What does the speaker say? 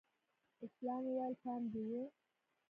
اسلام وويل پام دې و.